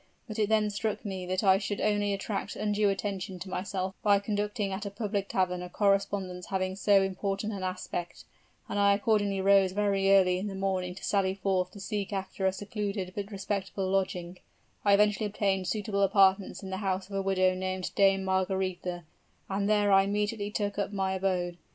But it then struck me that I should only attract undue attention to myself by conducting at a public tavern a correspondence having so important an aspect, and I accordingly rose very early in the morning to sally forth to seek after a secluded but respectable lodging, I eventually obtained suitable apartments in the house of a widow named Dame Margaretha, and there I immediately took up my abode.